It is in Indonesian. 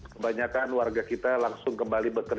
kebanyakan warga kita langsung kembali ke rumah